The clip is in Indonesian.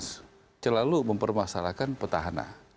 selalu mempermasalahkan petahana